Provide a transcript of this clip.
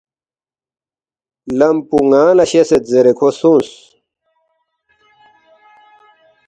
لم پو ن٘انگ لہ شیسد” زیرے کھو سونگس